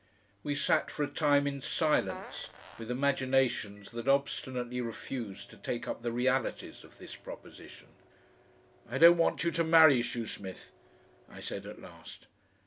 We sat for a time in silence, with imaginations that obstinately refused to take up the realities of this proposition. "I don't want you to marry Shoesmith," I said at last.